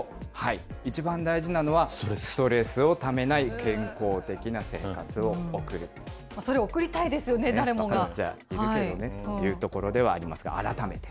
一番大事なのはストレスをためなそりゃ、送りたいですよね、そうですよねというところではありますが、改めて。